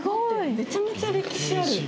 めちゃめちゃ歴史ある。